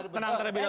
tidak boleh pak